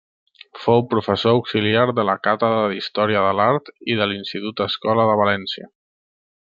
Fou professor auxiliar de la càtedra d'Història de l'Art i de l'Institut-Escola de València.